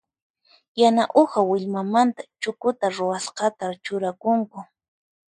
Yana uha willmamanta chukuta ruwasqata churakunku.